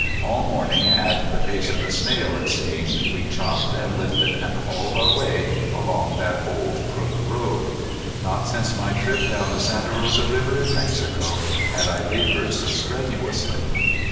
All morning, at the pace of a snail it seemed, we chopped and lifted and hauled our way along that old Crook road. Not since my trip down the Santa Rosa river in Mexico had I labored so strenuously.